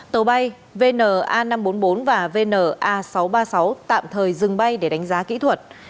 tàu bay vn a năm trăm bốn mươi bốn và vn a sáu trăm ba mươi sáu tạm thời dừng bay để đánh giá kỹ thuật